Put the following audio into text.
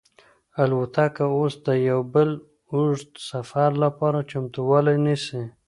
الوتکه اوس د یو بل اوږد سفر لپاره چمتووالی نیسي.